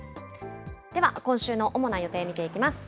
では今週の主な予定、見ていきます。